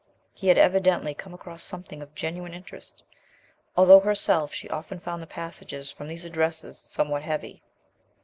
He had evidently come across something of genuine interest, although herself she often found the passages from these "Addresses" somewhat heavy.